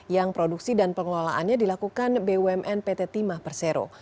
yang produksi dan pengelolaannya dilakukan bumn pt timah persero